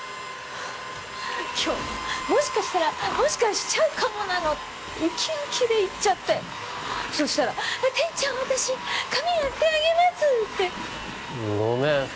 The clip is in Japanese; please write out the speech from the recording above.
今日もしかしたらもしかしちゃうかもなのってウキウキで言っちゃったよそしたら「店長私髪やってあげます」ってごめん